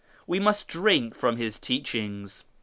We must drink from His Teachings.